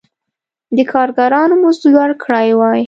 د کارګرانو مزد لوړ کړی وای.